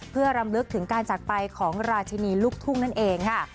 เพื่อรำลึกถึงการจักรไปของราชินีลูกทุ่งนั่นเองค่ะ